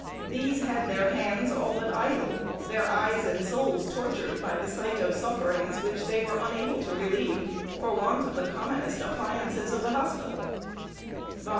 These had their hands all but idle, their eyes and souls tortured by the sight of sufferings which they were unable to relieve for want of the commonest appliances of the hospital" (vol.